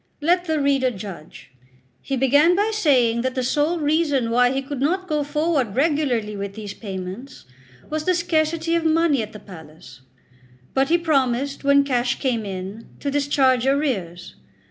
Let the reader judge. He began by saying that the sole reason why he could not go forward regularly with these payments, was the scarcity of money at the palace; but he promised, when cash came in, to discharge arrears.